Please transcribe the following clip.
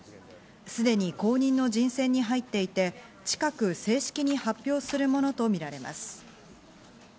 すでに後任の人選に入っていて、近く正式に発表するものとみられます。